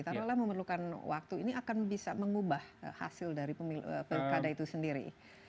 taruhlah memerlukan waktu ini akan bisa mengubah hasil dari pilkada itu sendiri